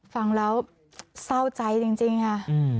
ฟังแล้วเศร้าใจจริงค่ะ